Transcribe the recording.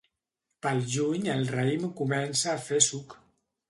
Pel juny el raïm comença a fer suc.